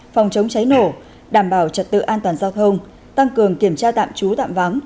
phòng chống cháy nổ đảm bảo trật tự an toàn giao thông tăng cường kiểm tra tạm trú tạm vắng